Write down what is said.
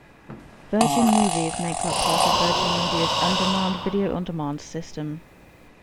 Virgin Movies makes up part of Virgin Media's "On Demand" video on demand system.